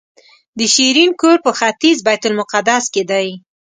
د شیرین کور په ختیځ بیت المقدس کې دی.